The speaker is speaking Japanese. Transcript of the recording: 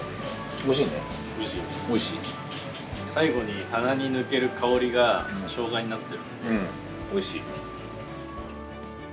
最後に鼻に抜ける香りがしょうがになってるのでおいしい。